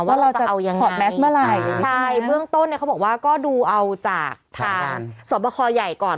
ว่าเราจะเอายังไงใช่เมื่องต้นเขาบอกว่าก็ดูเอาจากทางสภคอย่ายก่อน